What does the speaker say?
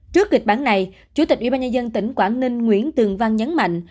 trước kịch bản này chủ tịch ubnd tỉnh quảng ninh nguyễn tường văn nhấn mạnh